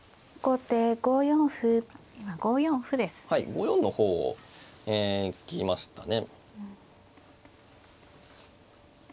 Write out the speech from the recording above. ５四の方を突きましたね。